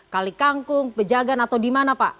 kali kangkung pejagan atau di mana pak